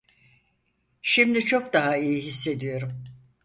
Şimdi çok daha iyi hissediyorum.